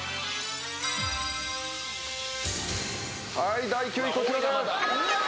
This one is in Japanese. はい第９位こちらです。